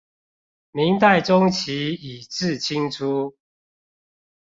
明代中期以至清初